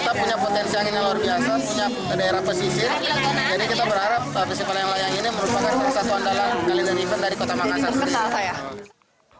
kita punya potensi angin yang luar biasa punya daerah pesisir jadi kita berharap festival layang layang ini merupakan perusahaan dalam kalenderiban dari kota makassar